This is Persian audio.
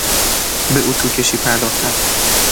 به اطو کشی پرداختن